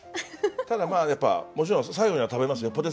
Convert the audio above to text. ただやっぱもちろん最後には食べますよ。